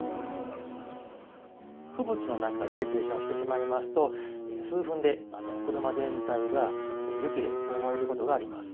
吹雪の中で停車をしてしまいますと、数分で車全体が雪で覆われることがあります。